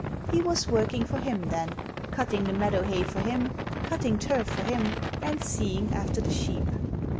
He was working for him then, cutting the meadow hay for him, cutting turf for him, and seeing after the sheep.